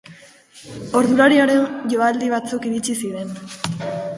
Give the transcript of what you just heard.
Ordulariaren joaldi batzuk iritsi ziren.